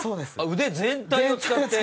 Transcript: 腕全体を使って。